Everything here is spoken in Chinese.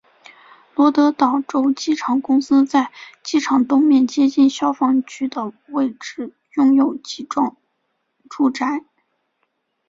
罗德岛州机场公司在机场东面接近消防局的位置拥有几幢住宅。